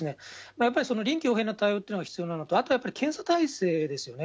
やっぱり臨機応変な対応っていうのが必要なのと、あと検査体制ですよね。